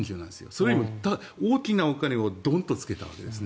それよりも大きなお金をどんとつけたわけです。